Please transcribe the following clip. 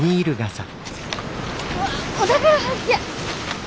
お宝発見！